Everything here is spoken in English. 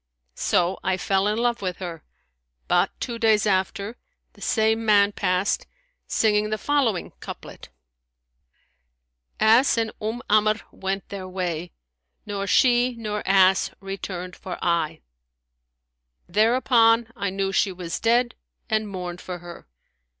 So I fell in love with her; but, two days after, the same man passed, singing the following couplet, Ass and Umm Amr' went their way; * Nor she, nor ass returned for aye.' Thereupon I knew she was dead and mourned for her.